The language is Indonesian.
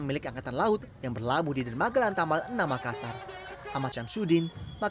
kepala staf angkatan laut ini dikawal berbagai kapal nelayan